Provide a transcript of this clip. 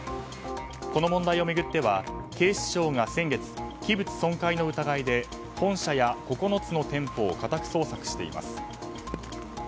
この問題を巡っては警視庁が先月器物損壊の疑いで本社や、９つの店舗を家宅捜索しています。